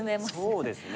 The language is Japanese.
そうですね。